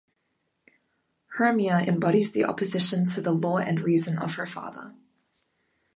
Hermia embodies the opposition to the law and reason of her father.